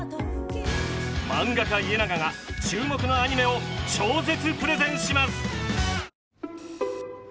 漫画家イエナガが注目のアニメを超絶プレゼンします！